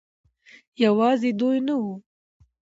يوازې دوي نه وو